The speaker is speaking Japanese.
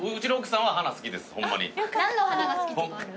何の花が好きとかある？